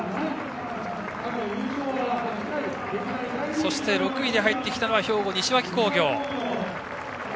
そして６位で入ってきたのは兵庫・西脇工業。